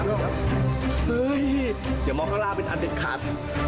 เดี๋ยวมองทางล่างเป็นอันเด็กขาด